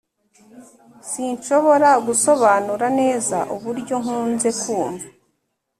sinshobora gusobanura neza uburyo nkunze kumva,